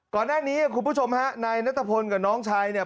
ก่อนหน้านี้คุณผู้ชมฮะนายนัทธพงศ์กับน้องชายเนี้ย